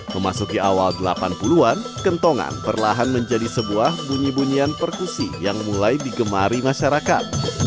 memasuki awal delapan puluh an kentongan perlahan menjadi sebuah bunyi bunyian perkusi yang mulai digemari masyarakat